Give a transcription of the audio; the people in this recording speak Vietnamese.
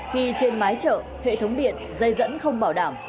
khi trên mái chợ hệ thống điện dây dẫn không bảo đảm